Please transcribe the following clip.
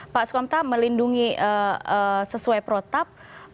pak sukamta melindungi sesuai protap